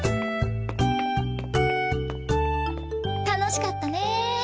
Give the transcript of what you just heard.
楽しかったね。